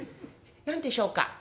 何でしょうか？」。